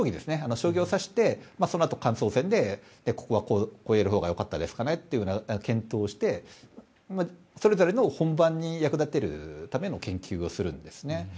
将棋を指してそのあと感想戦でここはこうやるほうがよかったですかねと検討をしてそれぞれの本番に役立てるための研究をするんですね。